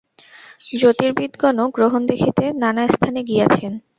জ্যোতির্বিদগণও গ্রহণ দেখিতে নানাস্থানে গিয়াছেন।